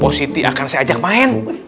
pak siti akan saya ajak main